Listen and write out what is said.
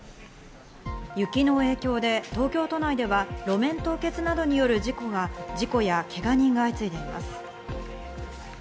雪の影響で東京都内では路面凍結などによる事故やけが人が相次いでいます。